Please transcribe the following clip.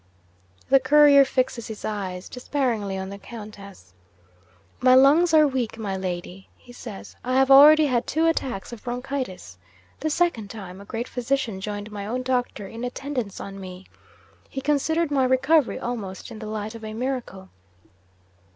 The Courier fixes his eyes despairingly on the Countess. "My lungs are weak, my Lady," he says; "I have already had two attacks of bronchitis. The second time, a great physician joined my own doctor in attendance on me. He considered my recovery almost in the light of a miracle.